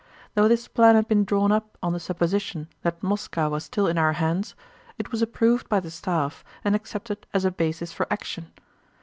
Though this plan had been drawn up on the supposition that Moscow was still in our hands, it was approved by the staff and accepted as a basis for action.